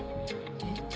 えっ？